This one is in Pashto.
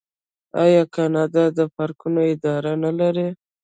آیا کاناډا د پارکونو اداره نلري؟